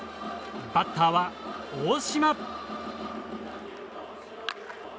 バッターは大島。